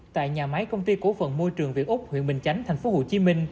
tại nhà máy công ty cố phận môi trường việt úc huyện bình chánh tp hcm